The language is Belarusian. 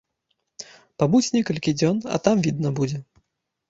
Пабудзь некалькі дзён, а там відна будзе.